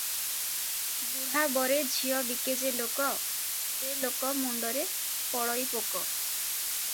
"ବୁଢା ବରେ ଝିଅ ବିକେ ଯେ ଲୋକ, ସେ ଲୋକ ମୁଣ୍ଡରେ ପଡ଼ଇ ପୋକ ।"